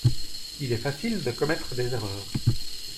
Il est facile de commettre des erreurs.